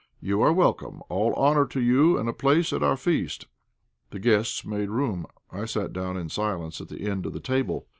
"You are welcome. All honour to you, and a place at our feast." The guests made room. I sat down in silence at the end of the table.